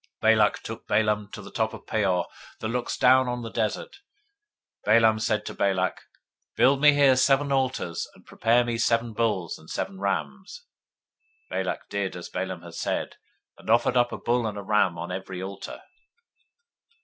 023:028 Balak took Balaam to the top of Peor, that looks down on the desert. 023:029 Balaam said to Balak, Build me here seven altars, and prepare me here seven bulls and seven rams. 023:030 Balak did as Balaam had said, and offered up a bull and a ram on every altar.